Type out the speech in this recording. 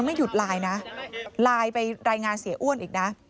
ไม่หยุดไลน์นะไลน์ไปรายงานเสียอ้วนอีกนะ